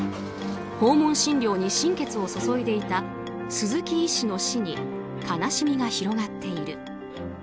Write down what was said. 訪問診療に心血を注いでいた鈴木医師の死に悲しみが広がっている。